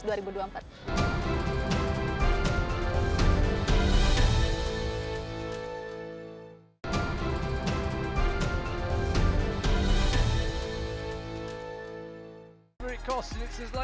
kepala atlet pembangunan indonesia